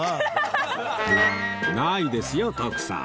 ないですよ徳さん